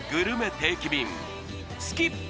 定期便スキップ